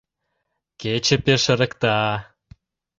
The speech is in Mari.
Кече пеш ырыкта.